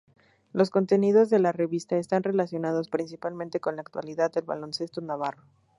Los contenidos de la revista están relacionados principalmente con la actualidad del baloncesto navarro.